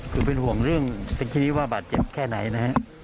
คือเป็นห่วงเรื่องสกชนิดว่าบาดเจ็บแค่ไหนนะฮะ